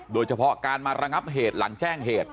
โดยเฉพาะการมาระงับเหตุหลังแจ้งเหตุ